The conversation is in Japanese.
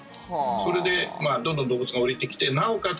それで、どんどん動物が下りてきてなおかつ